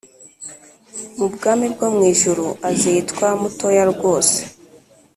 mu bwami bwo mu ijuru azitwa mutoya rwose